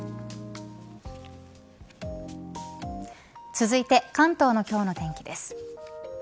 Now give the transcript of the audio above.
続いて関東の今日の天気です。